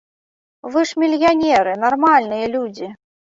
Вы ж мільянеры, нармальныя людзі.